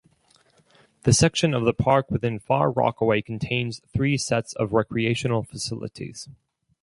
The section of the park within Far Rockaway contains three sets of recreational facilities.